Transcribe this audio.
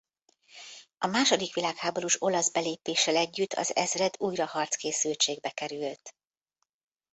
A második világháborús olasz belépéssel együtt az ezred újra harckészültségbe került.